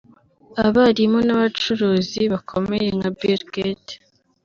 abarimu n’abacuruzi bakomeye nka Bill Gate